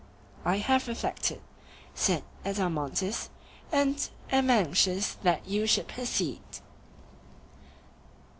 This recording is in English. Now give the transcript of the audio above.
I have reflected, said Adeimantus, and am anxious that you should proceed.